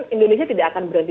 indonesia tidak akan berhenti